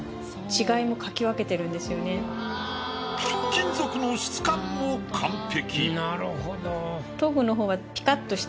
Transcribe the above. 金属の質感も完璧。